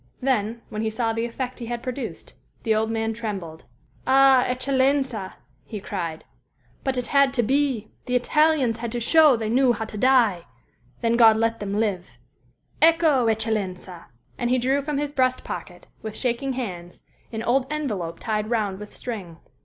Then, when he saw the effect he had produced, the old man trembled. "Ah, eccellenza," he cried, "but it had to be! The Italians had to show they knew how to die; then God let them live. Ecco, eccellenza!" And he drew from his breast pocket, with shaking hands, an old envelope tied round with string.